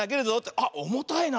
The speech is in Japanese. あっおもたいな。